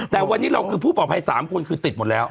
แต่วันนี้เราคือผู้ปลอดภัย๓คนคือติดหมดแล้ว